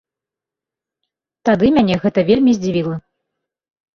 Тады мяне гэта вельмі здзівіла.